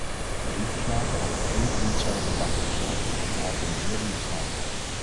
Drie verslagen over een en hetzelfde kankergezwel: de georganiseerde misdaad.